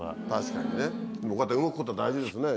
こうやって動くこと、大事ですね。